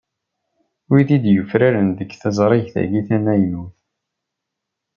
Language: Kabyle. Wid i d-yufraren deg teẓrigt-agi tamaynut.